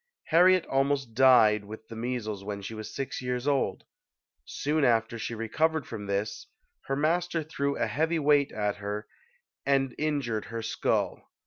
Harriet almost died with the measles when she was six years old. Soon after she recovered from this, her master threw a heavy weight at her and 88 ] UNSUNG HEROES injured her skull.